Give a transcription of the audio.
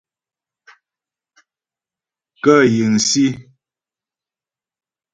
Kə yiŋsǐ.